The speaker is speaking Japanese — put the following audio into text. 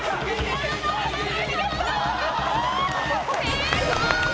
成功！